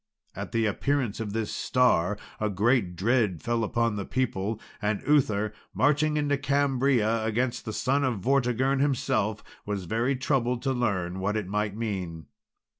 At the appearance of this star a great dread fell upon the people, and Uther, marching into Cambria against the son of Vortigern, himself was very troubled to learn what it might mean.